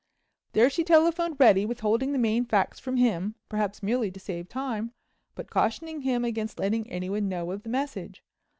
There she telephoned Reddy, withholding the main facts from him, perhaps merely to save time, but cautioning him against letting anyone know of the message.